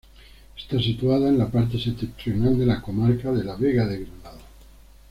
Está situada en la parte septentrional de la comarca de la Vega de Granada.